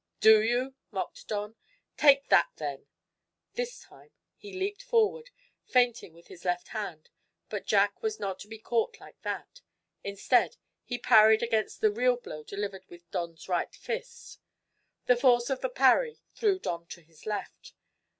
"Do you?" mocked Don. "Take that, then!" This time he leaped forward, feinting with his left hand. But Jack was not to be caught like that. Instead, he parried against the real blow delivered with Don's right fist. The force of the parry threw Don to his left.